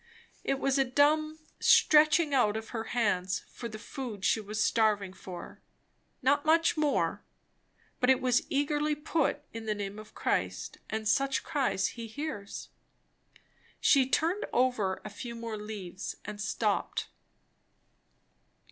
It was a dumb stretching out of her hands for the food she was starving for; not much more; but it was eagerly put in the name of Christ, and such cries he hears. She turned over a few more leaves and stopped.